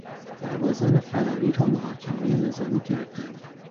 سربازان فراری را محاکمه نظامی کردند.